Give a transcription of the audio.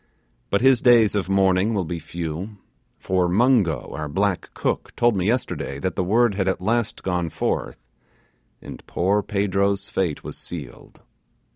But his days of mourning will be few for Mungo, our black cook, told me yesterday that the word had at last gone forth, and poor Pedro's fate was sealed.